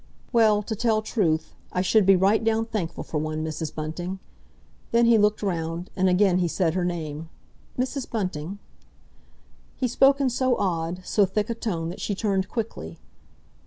"Well, to tell truth, I should be right down thankful for one, Mrs. Bunting!" Then he looked round, and again he said her name, "Mrs. Bunting—?" He spoke in so odd, so thick a tone that she turned quickly.